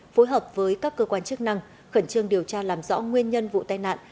phối hợp với các cơ quan chức năng khẩn trương điều tra làm rõ nguyên nhân vụ tai nạn